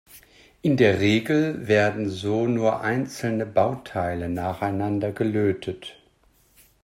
In der Regel werden so nur einzelne Bauteile nacheinander gelötet.